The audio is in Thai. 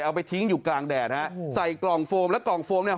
เอาไปทิ้งอยู่กลางแดดฮะใส่กล่องโฟมแล้วกล่องโฟมเนี่ย